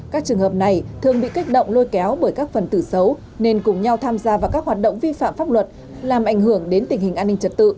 các trường hợp này thường bị kích động lôi kéo bởi các phần tử xấu nên cùng nhau tham gia vào các hoạt động vi phạm pháp luật làm ảnh hưởng đến tình hình an ninh trật tự